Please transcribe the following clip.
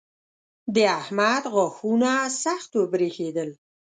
د احمد غاښونه سخت وبرېښېدل.